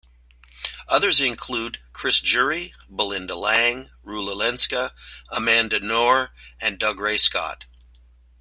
Others include Chris Jury, Belinda Lang, Rula Lenska, Amanda Noar and Dougray Scott.